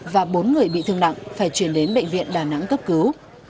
và bốn người bị thương nặng phải chuyển đến bệnh viện đà nẵng cấp cứu